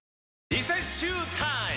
リセッシュータイム！